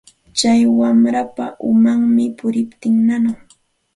Tsay warmapa umanmi puriptin nanan.